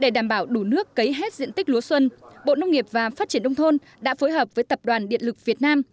để đảm bảo đủ nước cấy hết diện tích lúa xuân bộ nông nghiệp và phát triển nông thôn đã phối hợp với tập đoàn điện lực việt nam